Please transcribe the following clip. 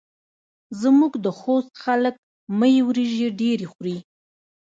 زموږ د خوست خلک مۍ وریژې ډېرې خوري.